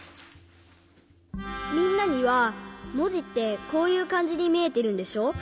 みんなにはもじってこういうかんじでみえてるんでしょ？